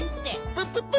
プププ。